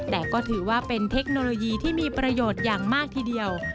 แต่ก็ถือว่าเป็นเทคโนโลยีที่มีประโยชน์อย่างมากทีเดียว